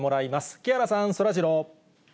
木原さん、そらジロー。